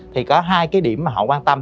thì có hai cái điểm mà họ quan tâm